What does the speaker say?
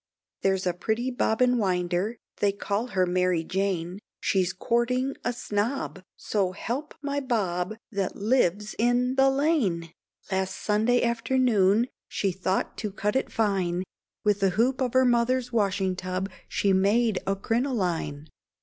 There's a pretty bobbin winder, they call her Mary Jane, She's courting a snob! so help my bob, that lives in lane; Last Sunday afternoon, she thought to cut it fine, With the hoop of her mother's washing tub, she made a crinoline.